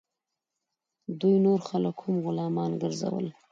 دوی نور خلک هم غلامان ګرځول.